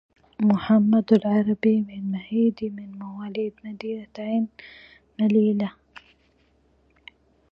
محمد العربي بن مهيدي من مواليد مدينة عين مليلة